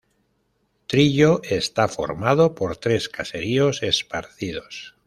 Trillo está formado por tres caseríos esparcidos.